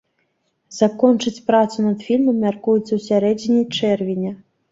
Закончыць працу над фільмам мяркуецца ў сярэдзіне чэрвеня.